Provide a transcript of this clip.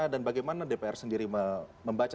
dan bagaimana dpr sendiri membaca